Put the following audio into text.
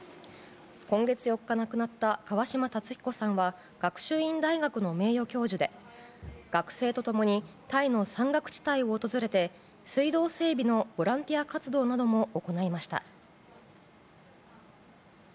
今月４日、亡くなった川嶋辰彦さんは学習院大学の名誉教授で学生と共にタイの山岳地帯を訪れて水道整備のボランティア活動なども行いました。